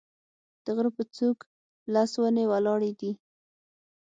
د غره په څوک لس ونې ولاړې دي